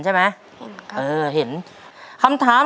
ใช่นักร้องบ้านนอก